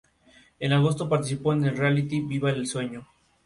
Leonard Maltin le dio a la película tres de cuatro estrellas.